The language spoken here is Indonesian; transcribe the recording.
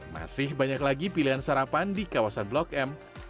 masih banyak lagi pilihan sarapan di kawasan blok m